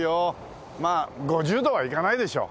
まあ５０度はいかないでしょう。